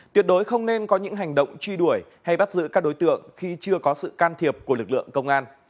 tuyệt đối không nên có những hành động truy đuổi hay bắt giữ các đối tượng khi chưa có sự can thiệp của lực lượng công an